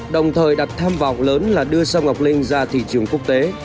đồng thời đặt tham vọng lớn là đưa sông ngọc linh ra thị trường quốc tế